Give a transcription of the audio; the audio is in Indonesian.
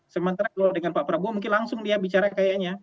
sementara kalau dengan pak prabowo mungkin langsung dia bicara kayaknya